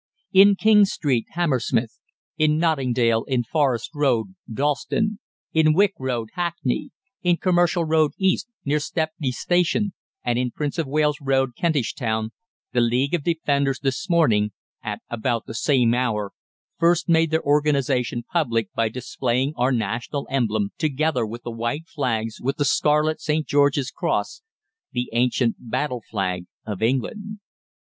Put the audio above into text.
"In King Street, Hammersmith; in Notting Dale, in Forest Road, Dalston; in Wick Road, Hackney; in Commercial Road East, near Stepney Station; and in Prince of Wales Road, Kentish Town, the League of Defenders this morning at about the same hour first made their organisation public by displaying our national emblem, together with the white flags, with the scarlet St. George's Cross, the ancient battle flag of England.